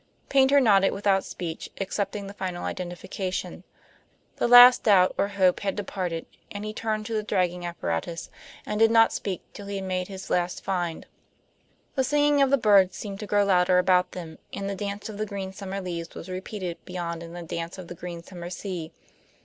Paynter nodded without speech, accepting the final identification. The last doubt, or hope, had departed, and he turned to the dragging apparatus, and did not speak till he had made his last find. The singing of the birds seemed to grow louder about them, and the dance of the green summer leaves was repeated beyond in the dance of the green summer sea.